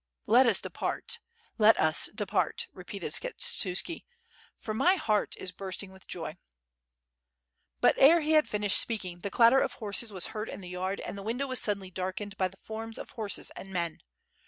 '' "Let us depart, let us depart," repeated Skshetuski, "for my heart is bursting with joy." But ere he had finished speaking the clatter of horses was heard in the yard and the window was suddenly darkened by the forms of horses and men.